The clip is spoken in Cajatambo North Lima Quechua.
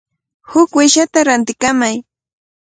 Huk uyshata rantikamay.